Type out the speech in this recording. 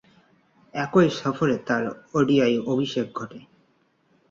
একই সফরে তার ওডিআই অভিষেক ঘটে।